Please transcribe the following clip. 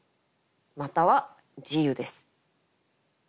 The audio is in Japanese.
または自由です。